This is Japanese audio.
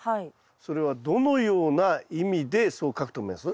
それはどのような意味でそう書くと思います？